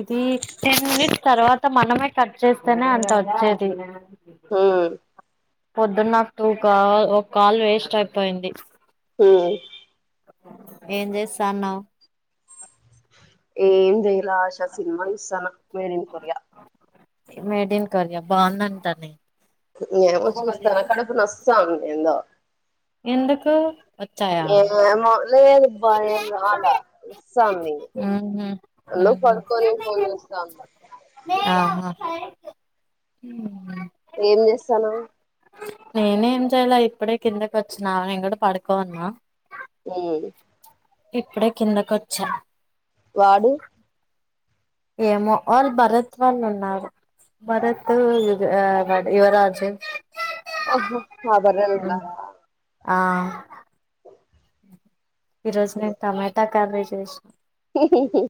ఇది ten minutes తర్వాత మనమే కట్ చేస్తేనే అంట వచ్చేది హ్మ్ పొద్దున్న నాకు టూ కా ఒక కాల్ వేస్ట్ అయిపోయింది హ్మ్ ఏం చేస్తాన్నావు ఏం జేయ క్లాస్ లో సినిమా చూస్తన్న made in Korea made in Korea బాగుందంటానే నేమో చూస్తాను కడుపు నొస్తాంది ఏందో ఎందుకు వచ్చాయా ఏమో లేదబ్బా ఏం రాలా వస్తా అంది ఊహూ నేను ఊహూ పడుకొని ఫోన్ చేస్తాను మ్మ్ హూ ఏం చేస్తానవ్ నేనెం చేయాల ఇప్పుడే కిందకి వచ్చిన నేను కూడా పడుకోనున్నా మ్మ్ ఇప్పుడే కిందక వచ్చా వాడు ఏమో వాళ్ళు భరత్ వాళ్ళు ఉన్నారు భరత్ యు అ యువరాజు ఓహో మా బర్రెలున్నారా ఆ ఈ రోజు నేను టమాటా క్యాబేజ్ చేసిన హూ హూ హూ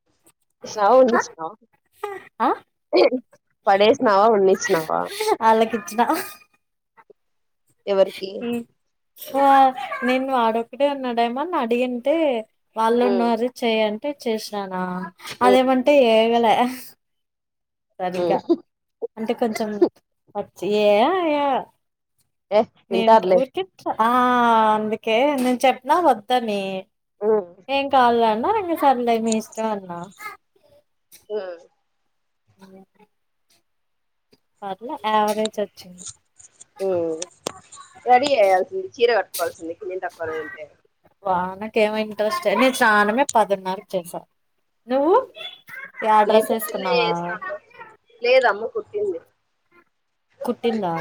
స్నానం చేసినవా ఆ [unintelligible] పడేసినవా ఉన్నచ్చనావా వాళ్లకిచ్చిన ఎవరికి ఆ నేను వాడొక్కడే ఉన్నాడేమోని అడిగింటే వాళ్ళు హ్మ్ ఉన్నారు చేయండి అంటే చేసినానా హ్మ్ అదేమంటే ఏగలే హ్మ్ సరిగా అంటే కొంచెం చే ఆయా ఏ తింటారు లే ఆ అందుకే నేను చెప్పిన వద్దని హ్మ్ ఏం కాదులే అ రంగ సర్లె మీ ఇష్టం అన్నా ఆ [inaudible] పర్లే యావరేజ్ వచ్చింది ఉ రెడీ అయ్యాల్సింది చీర కట్టుకోవాల్సింది కిన్ తక్కువ వెళ్తే వానకేమి ఇంట్రెస్ట్ నేను స్నానమే పదిన్నరకి చేసా నువ్వు యా నేను డ్రెస్ పొద్దున్నే ఏసుకున్నావా చేసినను లేదు అమ్మ కుట్టింది కుట్టిందా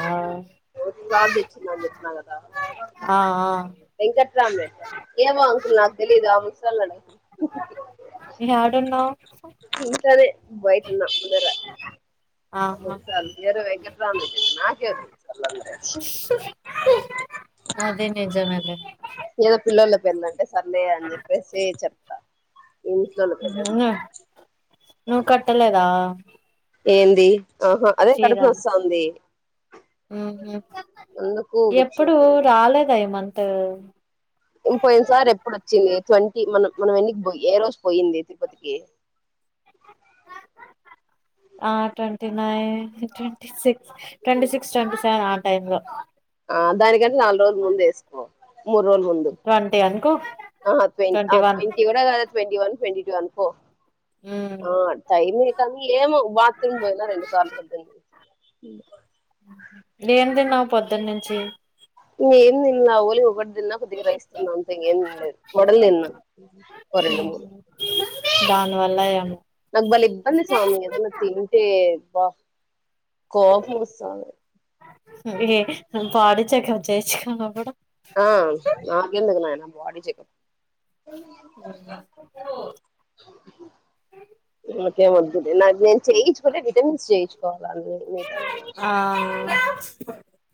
ప్రార్థచ్చింద అని చెప్పిన కదా ఆ ఆ వెంకట్రాం రెడ్ ఏమో అంకుల్ నాకు తెలిదు ఆ ముసలడు యాడున్నావ్ [unintelligible] ఇంట్లదే బయట ఉన్నా ఆహా నువ్వే రా నియర్ వెంకట రామ్ రెడ్డి [unintelligible] అది నిజమేలె వెన్నంటే సండే అని చెప్పేసి సేస్ చొప్తా నువ్వు కట్టలేదా ఏంది ఆహా అదే ఇంగ కడుపు నొస్తాంది ఆహ అందుకు ఎప్పుడు కూర్చోను రాలేద ఈ మన్ అ ఇం పోయిన్ సార్ ఎప్పుడు వచ్చింది ట్వంటీ మనం మనం ఎన్నికి బో ఏ రోజు పోయిండేది తిరుపతి కి ఆ twenty nine twenty six twenty six twenty seven on time లో ఆ దాని గన్ నాలుదు రోజులు ముందు ఏసుకొ మూర్రోల్ ముందు ట్వంటీ అనుకో ట్వంటీ వన్ అనుకో మ్మ్ ఆ టైమె కానీ ఏమో బత్రూమ్ పోయినా రెండు సార్లు పొద్దున్నించి ఉండు ఏమి దిన్నావ్ పొద్దున్నుంచి ఇంగా ఏం దిండ్ల ఓళిగ ఒగడ్ తిన్న కొద్దిగా రైస్ తిన్నా అంతే ఇంగ ఏం దినలేదు వడలు దిన్న ఓ రెండు మూడు నివాలయన్ నాకు బలే ఇబ్బంది సామి ఏదన్నా తింటే వావ్ హు ఏ పాడి చెకప్ చేసుకున్నా గుడా ఆ నాకెందుకు నాయన బాడీ చెకప్ ఆ నాకేం వద్దులే నాకి నేను చేయిచ్చుకుంటే విటమిన్స్ చేయిచ్చుకోవాలి వాళ్లవి మీతో నేమి అవసరం బ [inaudible]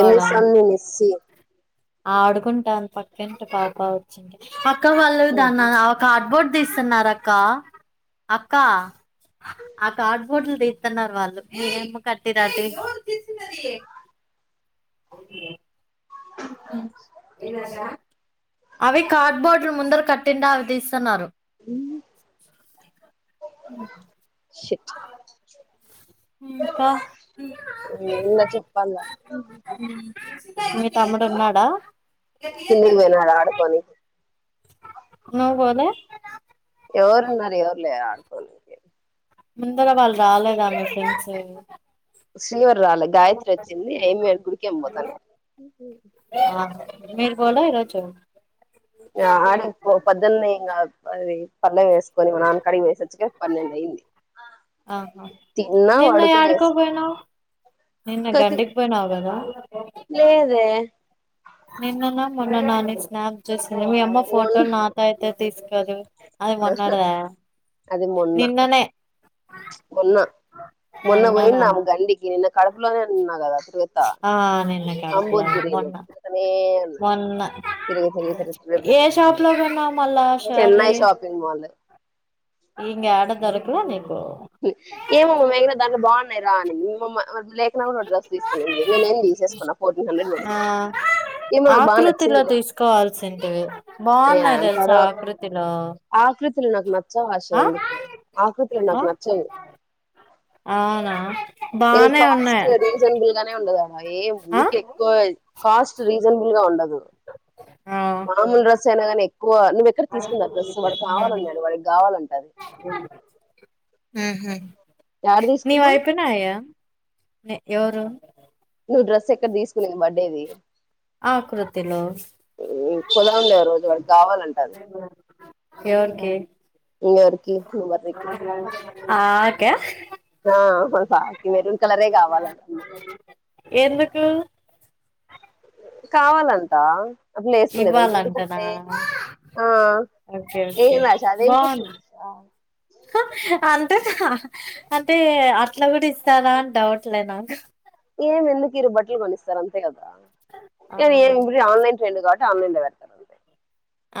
ఏం జేస్తాంది మీ మిస్సి ఆడుకుంటద్ పక్కింటి పాప వచ్చింది ఆ ఇంకా వల్లధన ఆ కార్బోర్డ్ తీస్తాన్నారు అక్క అక్క ఆ కార్డ్ బోర్డులు తీతున్నారు వాళ్ళు మీరేం కట్టిధాటి [unintelligible] అవి కార్ బోర్డ్లు ముందార్ కట్ కింద అవ్ తీస్తున్నారు షట్ ఇంక నేనేందో చెప్పాలా ఉమ్ మీ తమ్ముడు ఉన్నాడా? కిందికి పోయినాడు ఆడుకొనికి నువ్ పోలే ఎవరున్నారు ఎవరులే ఆడుకోనికి ముందర వాళ్ళు రాలేదా మీ ఫ్రెండ్స్ వాసునర్ రాలే గాయత్రి వచ్చింది ఎమో గుడికేమో సండే హ మీర్ పోలే ఈరోజు ఆ అడక్ పోతన్ పొద్దునే ఏం కథ్ పది పాన్లని చేసుకొని మాల్ కడకి పోయ్సచూకే పన్నెండు అయింది. ఆహా తిన్నా నిన్న యాడికో పడుకునేసా పోయినవ్? నిన్న కతి గన్డికి పోయినవ్ కదా? లేదే నిన్ననో మొన్ననో నీ స్నాప్ చూస్ అరేయ్ మీ అమ్మ ఫోటో మొన్న నాకైతద్ తీస్కెల్లు అది మొన్న నిన్ననే మొన్న మొన్న పోయి మొన్ననా గండకి నిన్న కడుపులో తిన్న కదా తిరుగుతా ఆ నిన్న అంబోద్ కనిపియాలే మొన్న తిరిగినట్టు తిరుగుతనే ఉన్నా మొన్న తిరిగి తిరిగి తిరిగి తిరిగి ఏ తిరిగి షాప్ లో కొనావ్ మల్ల ఆ చెన్నై సారీ షాపింగ్ మాల్ ఇంగ అడ దర్ రోనిన్ ఏమో మా నైరా దాంట్లో బాగున్నాయ్ రా అనిది పోమా అద లేకున కూడా ఓ డ్రస్ తీసుకుంది. ఆ ఏమో నాకు బాగా ఆకృతిలో నచ్చిందిలే తీసుకోవాల్సి ఉంటివి బాగున్నాయ్ తెలుసా ఆకృతిలో. [unintelligible] చ వాష్ ఆ అయింది ఇప్పుడు ఆకృతీ [unintelligible] అవునా ఏ బానే కాస్ట్ ఉన్నాయి రీజనబుల్ గానే ఉండదడా ఏ ఆ ఊకి ఎక్కువ కాస్ట్ రీజనబుల్ గా ఉండదు ఆ మామూలు డ్రెస్ [unintelligible] నువ్వు ఎక్కడ తీసుకున్నారు డ్రెస్ వాడికి కావాలన్నా నేను వాడికి కావాలంట ఉహు యాడ నీ తీసుకున్నావు వయిపునాయ ఎవరు నువ్వు డ్రెస్ ఎక్కడ తీసుకున్నది బర్త్డేది ఆకృతిలో కుల ఉండ రోజు వాడి కావాలంటుండు ఎవరికి ఇకి ఇ మరికి [unintelligible] ఆకే ఆ బాబుకి మెరూన్ కలరే కావాలంటమ్మ ఎందుకు కావాలంట అప్పుడు వేసుకుండేదా ఎందుకు ఇవ్వాలంటనా అంటే ఆ ఓకే ఏమి రాష అదేం కషి రాష [unintelligible] అంతే అంటే అట్లా కూడా ఇస్తారా అని డౌట్లే నాకు ఏం ఎందుకు ఇరు బట్టలు కణస్తారుంతేారు ఆ ఇప్పుడు ఆన్లైన్ ట్రైం కా ఆన్లైన్ల వరతర్ంట [unintelligible]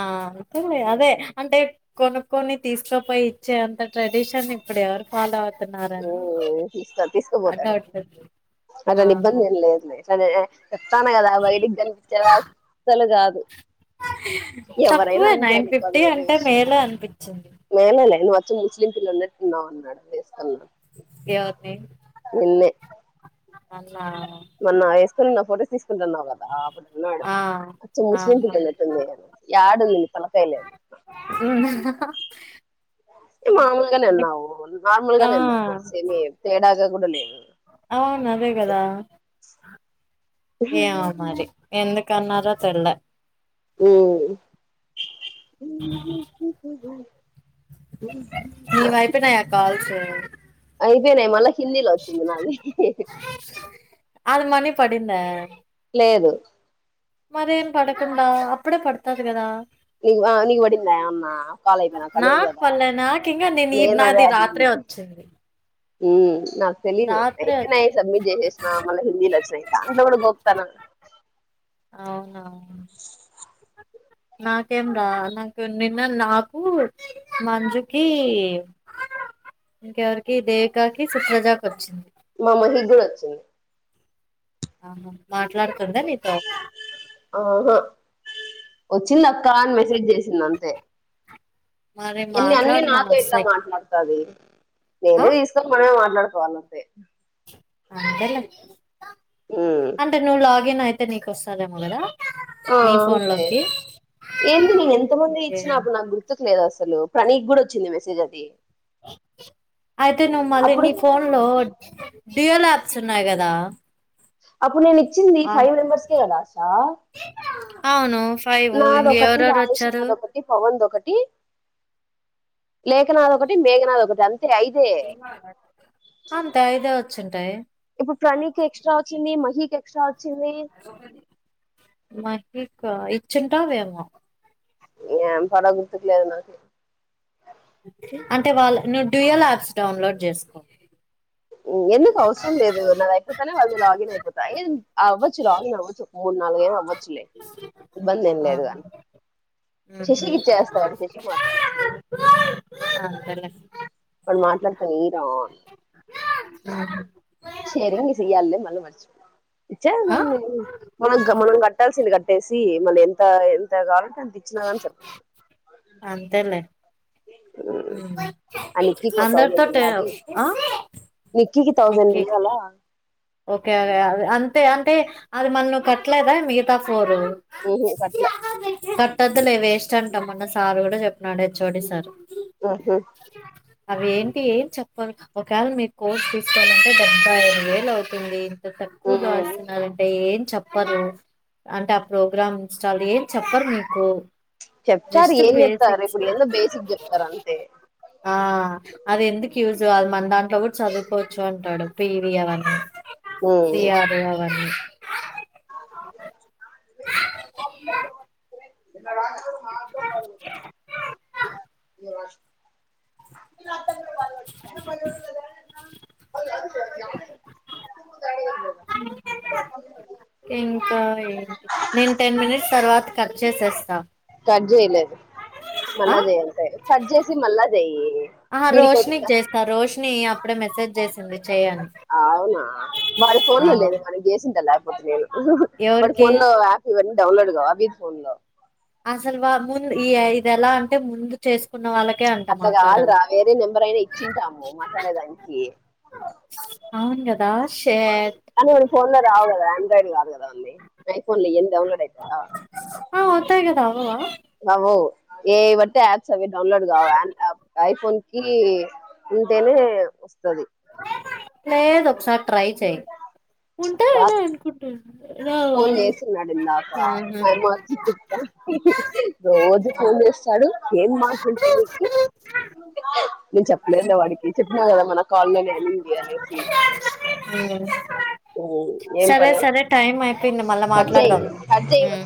ఆ అంతే అదే అంటే కొనుక్కొని తీసుకోపోయి ఇచ్చే అంత ట్రెడిషన్ ఇప్పుడు ఎవరు ఫాలో అవు హు తీ తీసుకుపోతాడు డౌట్ వచ్చి అలాని ఆహా ఇబ్బంది ఏం లేదు అదే చెప్తానా కదా బయటికి కనిపించేలా అసలు కాదు ఎవరైనా తక్కువే అంతే నైన్ అనుకో అది ఫిఫ్టీ వేరే అంటే విషయం మేళ అనిపించింది మేలేలే నువ్వు ముస్లిం పిల్లలు ఉన్నావు ఉన్నాడు అ ఎవర్ని అన్నా మన్న హే స్కూల్ నా ఫోటో సిక్స్ న్నావు కదా అప్పుడున్నాడు ఆ అచ్చ ముస్లిం ఆహా పిల్లల ఆడంది పిల్లకాయలు ఉమ్. ఏ మామూలుగానే అన్నావు ఆ నార్మూల్గానే ఎందంట [unintelligible] తేడాగా [unintelligible] అవును అదే కదా ఏమో మరి ఎందుక అన్నారో తెలియ ఉమ్ కు నీ వైపోయినాయ కాల్స్ ఐపోయినయ్ మళ్ళ హిందీలో వచ్చింది నాది అది మనీ పడింద లేదు మరేం పడకుండా అప్పుడే పడతాది కదా నిక్ ఆ నీకు వడిందా అమ్మ కాల్ అయిపోయినంక లేదు నాకు కదా పల్లె నాకింకా నేను ఈ నిను అదే నాది రాత్రే అడిగింది వచ్చింది హు మ్ నాక్ తెలీదు రాత్రే వచ్చి- అయిపోయినాయి సబ్మిట్ చేసేసిన మళ్ళీ హిందీలోచ్చినాయి దాంట్లో కూడా గోకుతాన అవునా నాకేం రా నాకు నిన్న నాకు మంజుకి ఇంకెవరికి దేవికకి సుప్రజాకి వచ్చిం మామహి కూడా వచ్చింది ఆహా మాట్లాడుతుందా నీతో ఆహా వచ్చింది అక్క అని మెసేజ్ చేసింది అంతే మరి ఇన్ని అన్నిీ మాట్లాడమని నాతో ఇట్లా వస్తాయి మాట్లాడుతాది ఆ నేనే తీసుకొని మనమే మాట్లాడ్ కోవాలంతే అంతేలే ఉమ్, అంటే నువ్ లా గిన్ అయితే నీకు వస్తాదేమో కదా ఆ నీ ఫోన్ అంతే లోకి ఏంది నేను ఎంత మంది ఇచ్చిన అప్పుడు నాకు గుర్తుకు లేదు అస సలు ప్రణీక్కుడా వచ్చింది మెసేజ్ అది అయితే నువ్ మళ్ళి అప్పుడు నీ ఫోన్లో డియో లాప్స్ ఉన్నాయి కదా అప్పునిన్ యిచ్చింది ఫైవ్ మెంబర్స్కే కదా ఆశ అవును ఫైవ్ నాది ఇంక ఒకటి ఎవరెవరు వచ్చారు రాజెశన్నది ఒకటి పవన్ది ఒకటి లేఖనాథ్ ఒకటి మేఘనాద్ ఒకటి అం అంతే ఐదే వచ్చుంటాయి నిక్ ఎక్సట్రా వ మ ఇంకా ఇచ్చుంన్టావ్ ఏమో ఎం పడో గుర్తుకులేదు నాక్ అంటే వాళ్ళు ను డ్యయల్ యాప్స్ డౌన్లోడ్ చేసుకో ఎందుకు అవసరం లేదు నాది అయిపోతనే వాళ్ళది లాగిన్ అయిపోతా అవ్వచ్చు లాగిన్ అవ్వచ్చు మూడు నాలుగు ఏం అవ్వదు లే ఇబ్బంది ఏం లేదు ఆహా కానీ ఉహు శశికి ఇచ్చేస్తావాడు శశికి మాట్లాడేస్తడు అంతేలే ఉహు వాడు మాట్లాడతాను ఈ రా హ్మ్ షేరింగ్ చేయాలిలే మళ్ళ మరిచి ఆ ఇచ్చేదండి మనం గమ్మున మనం కట్టాల్సింది కట్టేసి మళ్ళీ ఎంత ఎంత కావాలంటే అంత ఇచ్చినా కాని సరి అంతేలే సరిపోతుంది ఆ నిక్కీకో థౌజండ్ అందరితోటే ఆ నిక్కీ కి థౌజండ్ ఓకే ఇయ్యాల ఓకే అ అంతే అంటే అది మను కట్లేదా మిగతా ఉహు గట్ల కట్ వద్దులే వేస్ట్ అంట మొన్న సార్ కూడా చెప్పినాడు హెచ్ఓడి సార్ ఊహూ అవి ఏంటి ఏం చెప్పరు ఒకవేళ మీరు కోర్స్ తీసుకోవాలంటే డెబ్బై ఐదు వేలు అవుతుంది పిండి ఇంత తక్కువ ఉమ్ చేస్తున్నారంటే ఏం చెప్పరు అంటే ఆ ప్రోగ్రామ్ ఇన్స్టాల్ ఏం చెప్పరు మీకు చెప్తారు జస్ట్ ఏం చెప్తారు బేసిక్స్ ఇప్పుడు ఎందో బేసిక్ చెప్తారు అంతే ఆ అది ఎందుకు యూజ్ అది మన దాంట్లో కూడా చదువుకోవచ్చు అంటాడు పివీ అవన్నీ సి ఉమ్ ఆరు అవన్నీ మీందడి అ మదా స ఇంకా ఏంటి నేను టెన్ మినిట్స్ తర్వాత కదు అయితే అస్త పజలే మన్నజయ అంత కట్ చేసి మళ్ళా చేయ్యి ఆహ రోషనికి చేస్తా రోషని ని అప్పుడ మెసేజ్ చేసింది చేయను వాళ్ళ ఫోన్లు లేదు మనం చేసింద లా పదేలు మరి ఎవరికి ఫోన్ లో యాప్ ఇవన్నీ డౌన్లోడ్ కావ అబి ఫోన్ లో అసలు వా ముందు ఈ ఇది ఎలా అంటే ముందు చేసుకున్న వాళ్ళకి అట్లా కాదురా వేరే నెంబర్ అయినా ఇచ్చింటాము మాట్లాడేదానికి అవును కదా షేట్ కానీ ఫోన్ లో రావు కదా ఆండ్రాయిడ్ కాదు కదా అని అయి పోన్లే ఇవన్నీ డౌన్లోడ్ అవుతాయా అవ్వవ అవో ఏ బట్టి యాప్స్ అవి డౌన్లోడ్ కావు ఐఫోన్ కి ఉంటేనే వస్తది లేదు ఒక ఒకసారి ట్రై చెయి ఉంటాయి అనే రాదు అనుకుంట ఫోన్ చేస్తున్నాడు ఇందాక ఊహూ మైమ వచ్చి తిట్ట రోజు ఫోన్ చేస్తాడు ఏం మాట్లుంటాయి నీకు నేను చెప్పలేద వాడికి చెప్పినా కదా మన కాల్లోనే అనింది అనేసి ఏం సరే పని సరే టైం అయిపోయింది మళ్ళా కజయి మాట్లాడదాం ఖజాయి ఉమ్.